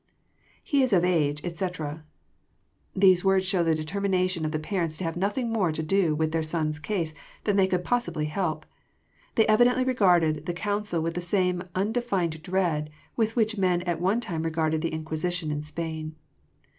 [J7e is of age, etc,'] These words show the determination of the parents to have nothing more to do with their son's case than they could possibly help. They evidently regarded the council with the same undefined dread with which men at one time regarded the Inquisition in Spain.